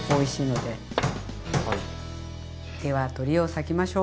では鶏を裂きましょう。